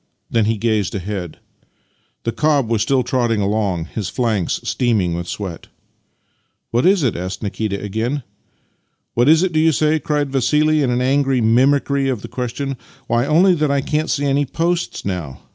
Then he gazed ahead. The cob was still trotting along, his flanks steaming with sweat. " What is it? " asked Nikita again. " What is it, do you say? " cried Vassili in angry mimicry of the question. " Why, only that I can't see any posts now.